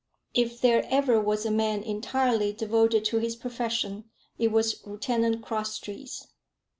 If there ever was a man entirely devoted to his profession, it was Lieutenant Crosstrees.